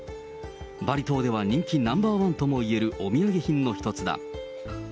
バリ島では人気ナンバー１ともいえるお土産品の一つだ。